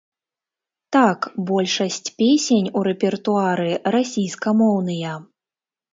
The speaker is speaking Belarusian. Так, большасць песень у рэпертуары расійскамоўныя.